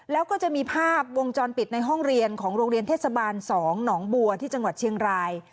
แล้วก็จะมีภาพวงจรปิดในห้องเรียนของโรงเรียนเทศบาล๒หนองบัวที่จังหวัดเชียงราย